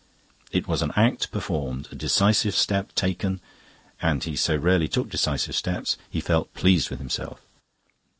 It was an act performed, a decisive step taken and he so rarely took decisive steps; he felt pleased with himself.